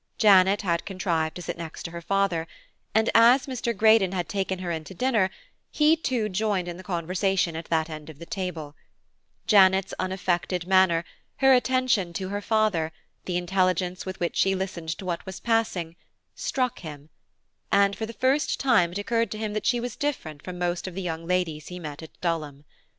Janet had contrived to sit next to her father, and as Mr. Greydon had taken her into dinner, he too joined in the conversation at that end of the table; Janet's unaffected manner, her attention to her father, the intelligence with which she listened to what was passing, struck him, and for the first time it occurred to him that she was different from most of the young ladies he met at Dulham.